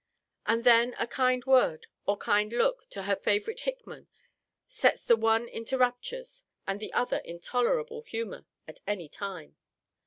And then a kind word, or kind look, to her favourite Hickman, sets the one into raptures, and the other in tolerable humour, at any time.